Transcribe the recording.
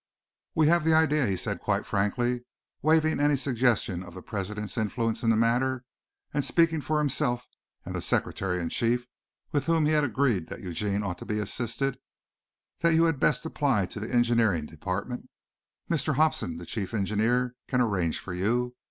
"We have the idea," he said quite frankly waiving any suggestion of the president's influence in the matter and speaking for himself and the secretary in chief, with whom he had agreed that Eugene ought to be assisted, "that you had best apply to the engineering department. Mr. Hobsen, the chief engineer, can arrange for you.